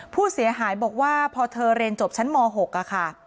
ผู้เสียหายบอกว่าพอเธอเรียนจบชั้นม๖ค่ะ